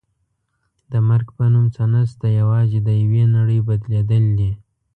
د مرګ په نوم څه نشته یوازې د یوې نړۍ بدلېدل دي.